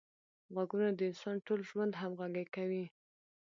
غوږونه د انسان ټول ژوند همغږي کوي